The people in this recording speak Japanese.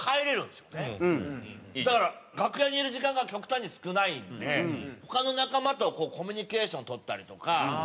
だから楽屋にいる時間が極端に少ないんで他の仲間とコミュニケーション取ったりとか。